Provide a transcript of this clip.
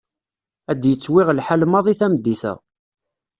Ad yettwiɣ lḥal maḍi tameddit-a.